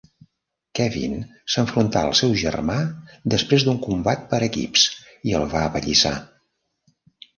Kevin s'enfronta al seu germà després d'un combat per equips i el va apallissar.